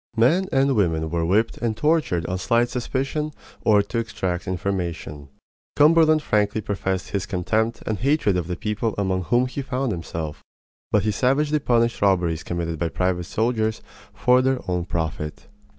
Men and women were whipped and tortured on slight suspicion or to extract information. Cumberland frankly professed his contempt and hatred of the people among whom he found himself, but he savagely punished robberies committed by private soldiers for their own profit.